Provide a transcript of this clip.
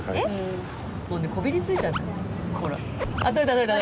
もうねこびり付いちゃうほら。